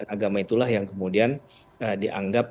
agama itulah yang kemudian dianggap